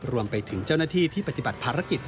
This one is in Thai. รวมไปถึงเจ้าหน้าที่ที่ปฏิบัติภารกิจ